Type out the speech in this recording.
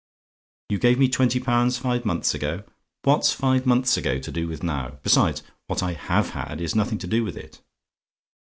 "YOU GAVE ME TWENTY POUNDS FIVE MONTHS AGO? "What's five months ago to do with now? Besides, what I HAVE had is nothing to do with it.